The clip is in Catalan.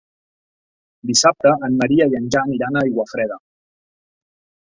Dissabte en Maria i en Jan iran a Aiguafreda.